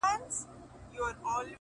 نه یې مینه سوای له زړه څخه شړلای!